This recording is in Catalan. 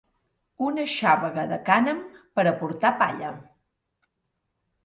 Una xàvega de cànem per a portar palla.